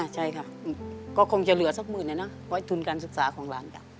ใช่ค่ะก็คงจะเหลือสักหมื่นนะนะไว้ทุนการศึกษาของหลานกัน